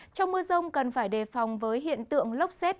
trong mưa rông cần phải đề phòng với hiện tượng lốc xét